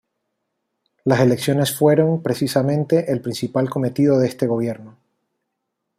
Las elecciones fueron, precisamente, el principal cometido de este gobierno.